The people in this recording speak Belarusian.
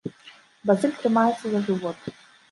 Базыль трымаецца за жывот.